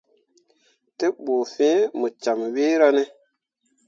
Te bu fin mu camme wira ne.